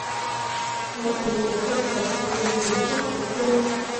Mọi thứ của quân phải thuộc quyền kiểm soát của cô